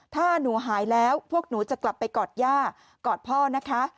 ถ้าหนูหายแล้วพวกหนูจะกลับไปกอดย่ากอดพ่อนะคะ